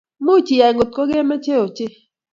Muuch iyay ngotkemeche ochei